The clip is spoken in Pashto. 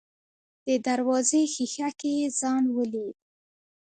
د دروازې ښيښه کې يې ځان وليد.